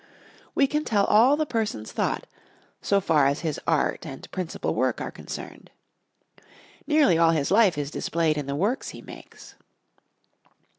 We can tell all the person's thought, so far as his art and principal work are concerned. Nearly all his life is displayed in the works he makes.